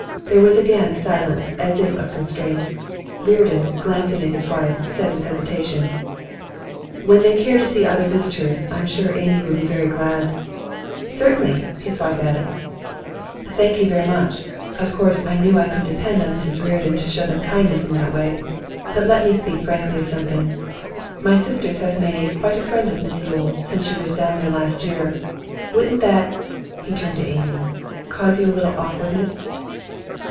There was again a silence as if of constraint. Reardon, glancing at his wife, said with hesitation: 'When they care to see other visitors, I'm sure Amy would be very glad ' 'Certainly!' his wife added. 'Thank you very much. Of course I knew I could depend on Mrs Reardon to show them kindness in that way. But let me speak frankly of something. My sisters have made quite a friend of Miss Yule, since she was down there last year. Wouldn't that' he turned to Amy 'cause you a little awkwardness?